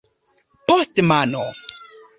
Poste mano.